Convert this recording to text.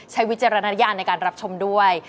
วิจารณญาณในการรับชมด้วย